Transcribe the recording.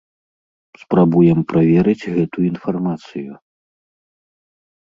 Спрабуем праверыць гэту інфармацыю.